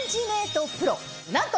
なんと！